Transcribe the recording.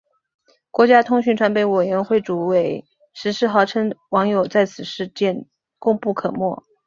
国家通讯传播委员会主委石世豪称网友在此事件功不可没。